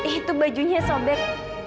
itu bajunya sobek